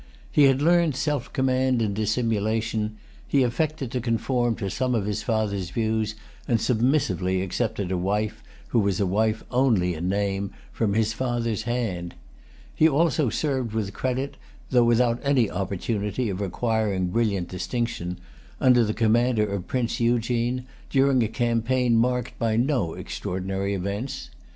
He had learnt self command and dissimulation: he affected to conform to some of his father's views, and submissively accepted a wife, who was a wife only in name, from his father's hand. He also served with credit, though without any opportunity of acquiring brilliant distinction, under the command of Prince Eugene, during a campaign marked by no extraordinary events.